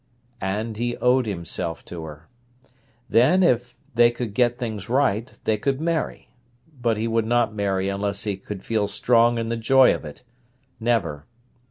And he owed himself to her. Then, if they could get things right, they could marry; but he would not marry unless he could feel strong in the joy of it—never.